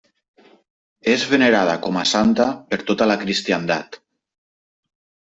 És venerada com a santa per tota la cristiandat.